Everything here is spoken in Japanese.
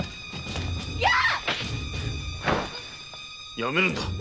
やめるんだ。